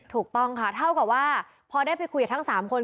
ถูกต้องค่ะเท่ากับว่าพอได้ไปคุยกับทั้ง๓คน